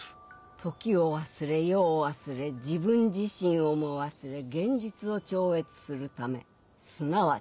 時を忘れ世を忘れ自分自身をも忘れ現実を超越するためすなわち。